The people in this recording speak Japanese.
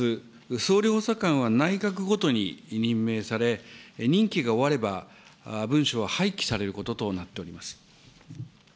総理補佐官は内閣ごとに任命され、任期が終われば、文書は廃棄されることとなっております。